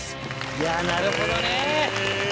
いやなるほどね。